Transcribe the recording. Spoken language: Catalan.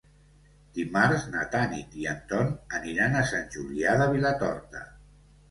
Dimarts na Tanit i en Ton aniran a Sant Julià de Vilatorta.